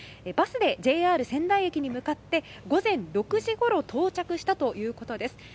バスでＪＲ仙台駅に向かって午前６時ごろ到着したということです。